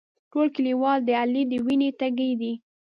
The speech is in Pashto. ټول کلیوال د علي د وینې تږي دي.